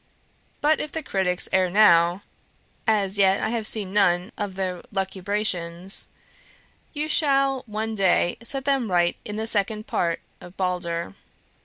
"But if the critics err now (as yet I have seen none of their lucubrations), you shall one day set them right in the second part of 'Balder.'